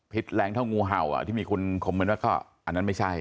แรงเท่างูเห่าอ่ะที่มีคุณคอมเมนต์ว่าก็อันนั้นไม่ใช่